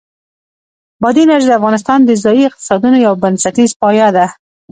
بادي انرژي د افغانستان د ځایي اقتصادونو یو بنسټیز پایایه دی.